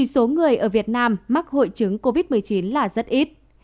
số người ở việt nam mắc hội chứng covid một mươi chín là rất ít